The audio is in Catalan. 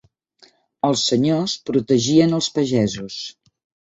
Els senyors protegien als pagesos.